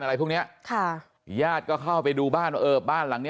อะไรพวกเนี้ยค่ะญาติก็เข้าไปดูบ้านว่าเออบ้านหลังเนี้ย